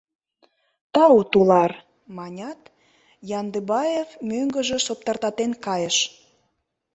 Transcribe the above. — Тау, тулар! — манят, Яндыбаев мӧҥгыжӧ соптыртатен кайыш.